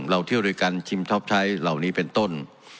เราเที่ยวด้วยกันชิมท็อปใช้เหล่านี้เป็นต้น